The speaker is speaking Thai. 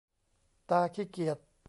ตาขี้เกียจ !